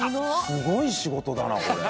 すごい仕事だなこれ。